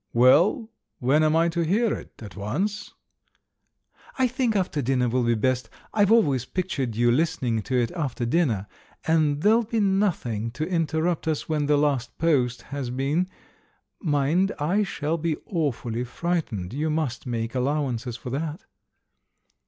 "Well, when am I to hear it — at once?" "I think after dinner will be best — I've always pictured you listening to it after dinner. And there'll be nothing to interrupt us when the last post has been. Mind, I shall be awfully fright ened; you must make allowances for that."